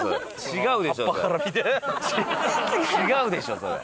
違うでしょそれ。